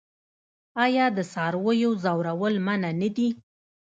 آیا د څارویو ځورول منع نه دي؟